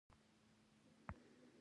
لمر د غره په کنډو نوی کېوت.